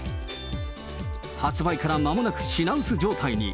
発売からまもなく品薄状態に。